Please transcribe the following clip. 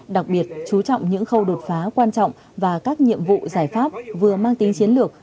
đặc biệt chú trọng những khâu đột phá quan trọng và các nhiệm vụ giải pháp vừa mang tính chiến lược